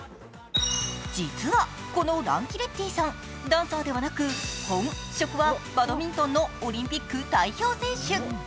実はこのランキレッディさんダンサーではなく本職はバドミントンのオリンピック代表選手。